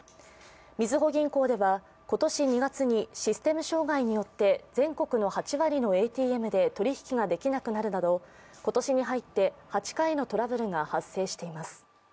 みずほ銀行では今年２月にシステム障害によって全国の８割のＡＴＭで取引ができなくなるなど今年に入って８回のトラブルが発生しています。